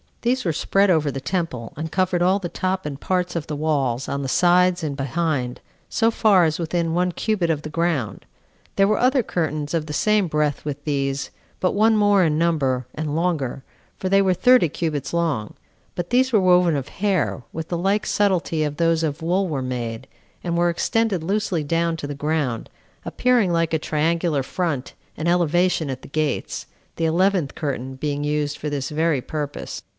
These were spread over the temple, and covered all the top and parts of the walls, on the sides and behind, so far as within one cubit of the ground. There were other curtains of the same breadth with these, but one more in number, and longer, for they were thirty cubits long; but these were woven of hair, with the like subtilty as those of wool were made, and were extended loosely down to the ground, appearing like a triangular front and elevation at the gates, the eleventh curtain being used for this very purpose.